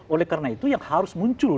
oleh karena itu yang harus muncul